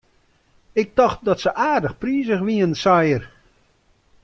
Ik tocht dat se aardich prizich wienen, sei er.